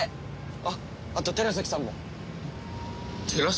あっあと寺崎さんも。寺崎？